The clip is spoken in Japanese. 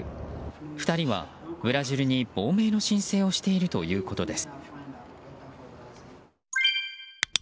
２人はブラジルに亡命の申請をしているということです。